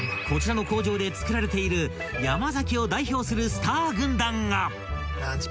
［こちらの工場でつくられている山崎を代表するスター軍団が］